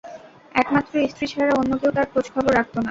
একমাত্র স্ত্রী ছাড়া অন্য কেউ তার খোঁজ-খবর রাখত না।